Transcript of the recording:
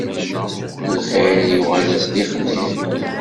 Lxir yuɣal-as d ixmir.